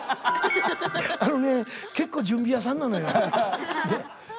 あのね結構準備屋さんなのよねえ。